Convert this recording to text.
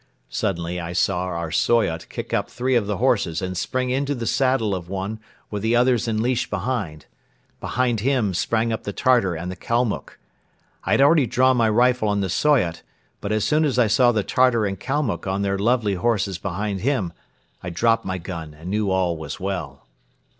Suddenly I saw our Soyot kick up three of the horses and spring into the saddle of one with the others in leash behind. Behind him sprang up the Tartar and the Kalmuck. I had already drawn my rifle on the Soyot but, as soon as I saw the Tartar and Kalmuck on their lovely horses behind him, I dropped my gun and knew all was well.